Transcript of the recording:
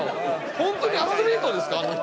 ホントにアスリートですかあの人